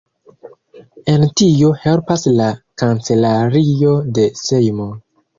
En tio helpas la kancelario de Sejmo.